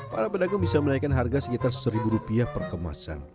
para pedagang bisa menaikkan harga sekitar seribu rupiah per kemasan